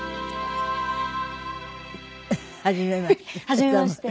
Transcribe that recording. はじめまして。